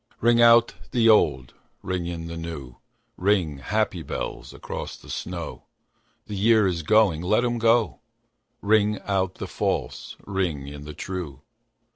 Ring out the old, ring in the new, Ring, happy bells, across the snow: The year is going, let him go; Ring out the false, ring in the true.